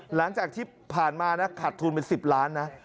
หลังจากที่ผ่านมานะขาดทุนเป็น๑๐ล้านนะ